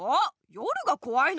夜がこわいの！